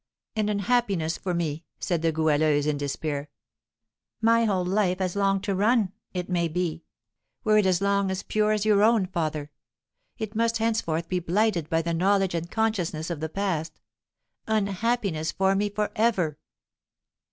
"Ah, unhappiness for me!" said the Goualeuse, in despair; "my whole life has long to run, it may be; were it as long, as pure as your own, father, it must henceforth be blighted by the knowledge and consciousness of the past; unhappiness for me for ever!"